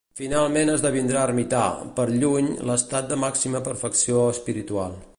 Finalment esdevindrà ermità, per Llull l'estat de màxima perfecció espiritual.